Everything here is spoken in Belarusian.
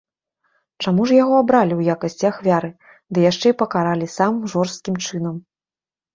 Чаму ж яго абралі ў якасці ахвяры ды яшчэ і пакаралі самым жорсткім чынам?